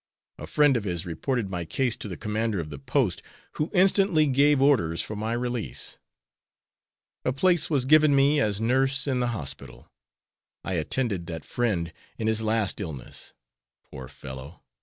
A friend of his reported my case to the commander of the post, who instantly gave orders for my release. A place was given me as nurse in the hospital. I attended that friend in his last illness. Poor fellow!